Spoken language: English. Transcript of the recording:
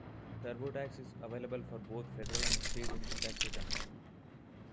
TurboTax is available for both federal and state income tax returns.